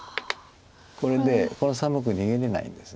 これでこの３目逃げれないんです。